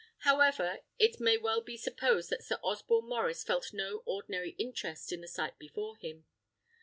However, it may well be supposed that Sir Osborne Maurice felt no ordinary interest in the sight before him.